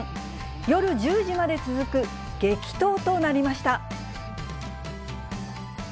夜１０時まで続く激闘となりました。